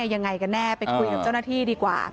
ยังไงกันแน่ไปคุยกับเจ้าหน้าที่ดีกว่า